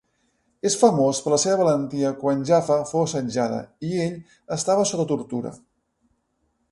És famós per la seva valentia quan Jaffa fou assetjada i ell estava sota tortura.